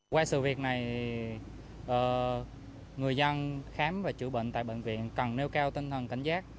qua sự việc này người dân khám và chữa bệnh tại bệnh viện cần nêu cao tinh thần cảnh giác